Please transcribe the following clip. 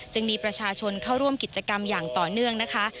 จึงมีประชาชนเข้าร่วมกิจกรรมอย่างต่อเนื่องนะคะ